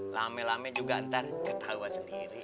lame lame juga ntar ketawa sendiri